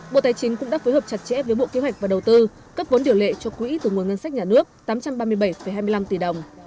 bộ tài chính cũng đã phối hợp chặt chẽ với bộ kế hoạch và đầu tư cấp vốn điều lệ cho quỹ từ nguồn ngân sách nhà nước tám trăm ba mươi bảy hai mươi năm tỷ đồng